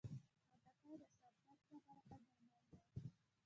خټکی د سر درد لپاره ښه درمل دی.